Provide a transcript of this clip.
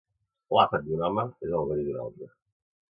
L'àpat d'un home és el verí d'un altre.